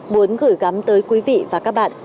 muốn gửi gắm tới quý vị và các bạn